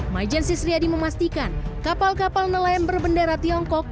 majen sisriyadi memastikan kapal kapal nelayan berbendera tiongkok